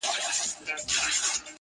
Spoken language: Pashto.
د هر قام چي يو ځل وېره له دښمن سي؛